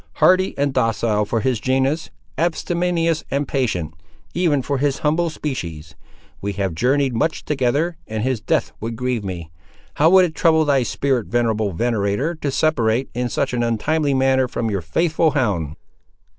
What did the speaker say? Hardy and docile for his genus; abstemious and patient, even for his humble species. We have journeyed much together, and his death would grieve me. How would it trouble thy spirit, venerable venator, to separate, in such an untimely manner, from your faithful hound?"